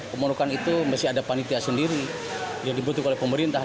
pemerlukan itu mesti ada panitia sendiri yang dibutuhkan oleh pemerintah